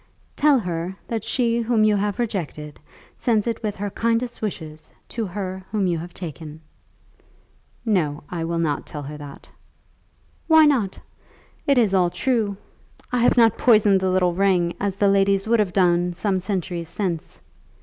"Tell her that she whom you have rejected sends it with her kindest wishes to her whom you have taken." "No; I will not tell her that." "Why not? It is all true. I have not poisoned the little ring, as the ladies would have done some centuries since.